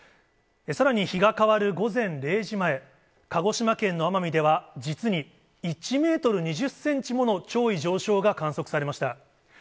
さらに日が変わる午前０時前、鹿児島県の奄美では、実に１メートル２０センチもの潮位上昇が観測されました。